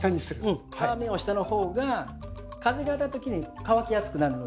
うん皮目を下の方が風が当たった時に乾きやすくなるので。